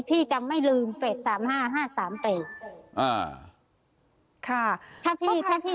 พี่จำไม่ลืมเปรกสามห้าห้าสามเปรกอ่าค่ะถ้าพี่ถ้าพี่ถ้าพี่